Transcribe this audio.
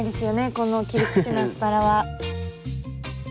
この切り口のアスパラは。